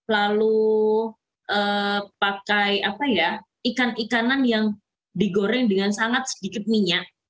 lalu pakai ikan ikanan yang digoreng dengan sangat sedikit minyak